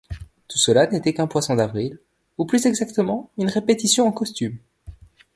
Tout cela n'était qu'un poisson d'avril, ou plus exactement une répétition en costumes.